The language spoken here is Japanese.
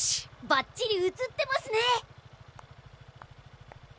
ばっちり映ってますね！